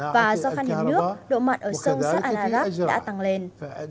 và do khăn hiểm nước độ mặn ở sông saad al arab đã tăng lên